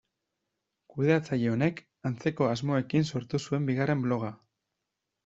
Kudeatzaile honek antzeko asmoekin sortu zuen bigarren bloga.